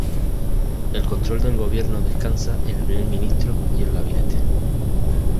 El control del gobierno descansa en el Primer Ministro y el Gabinete.